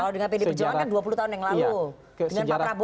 kalau dengan pd pejuangan kan dua puluh tahun yang lalu